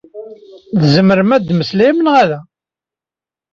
Tzemrem ad mmeslayem neɣ ala?